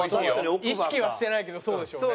意識はしてないけどそうでしょうね。